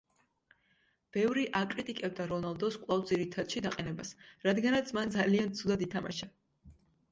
ბევრი აკრიტიკებდა რონალდოს კვლავ ძირითადში დაყენებას, რადგანაც მან ძალიან ცუდად ითამაშა.